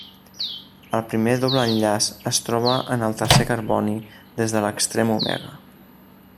El primer doble enllaç es troba en el tercer carboni des de l'extrem omega.